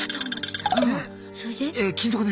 それで？